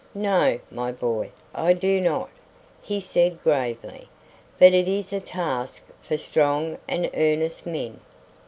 "No, my boy, I do not," he said gravely; "but it is a task for strong and earnest men."